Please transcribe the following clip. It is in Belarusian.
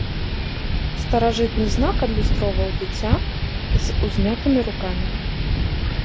Старажытны знак адлюстроўваў дзіця з узнятымі рукамі.